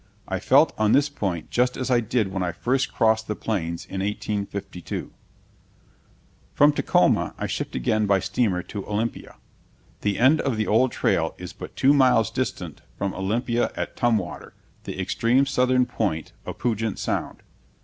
I felt on this point just as I did when I first crossed the Plains in 1852. From Tacoma I shipped again by steamer to Olympia. The end of the old trail is but two miles distant from Olympia at Tumwater, the extreme southern point of Puget Sound.